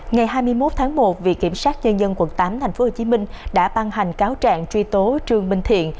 ngày hai mươi một tháng một viện kiểm sát nhân dân quận tám tp hcm đã ban hành cáo trạng truy tố trương minh thiện